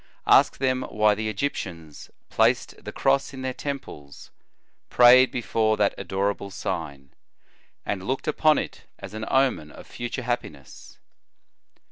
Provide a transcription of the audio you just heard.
Ask them why the Egyptians placed the cross in their temples, prayed before that adorable sign, and looked upon it as an omen of future happiness.